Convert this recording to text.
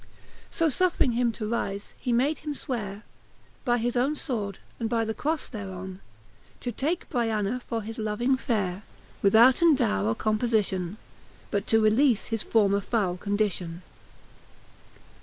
So fufFring him to rife, he made him fweare By his owne fword, and by the croile thereon, To take Br'tana for his loving fere,, Withouten dowre or compofition; But to releafe his former foule condition.